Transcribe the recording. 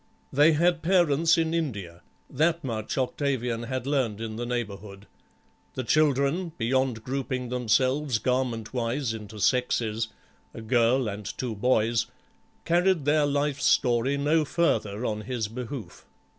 They had parents in India—that much Octavian had learned in the neighbourhood; the children, beyond grouping themselves garment wise into sexes, a girl and two boys, carried their life story no further on his behoof.